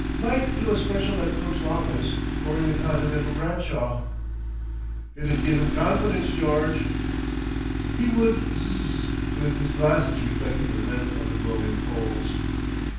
Might do a special at Cook's office, or in the Continental Bradshaw." "It 'ud give 'em confidence, George." He would Zzzz, with his glasses reflecting the red of the glowing coals.